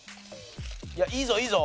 いやいいぞいいぞ。